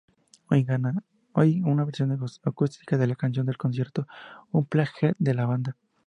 Hay una versión acústica de la canción en el concierto Unplugged de la banda.